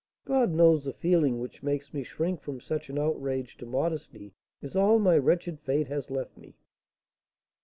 God knows, the feeling which makes me shrink from such an outrage to modesty is all my wretched fate has left me!"